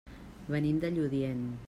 Venim de Lludient.